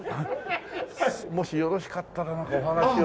もしよろしかったらお話を。